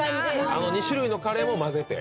あの２種類のカレーも混ぜて？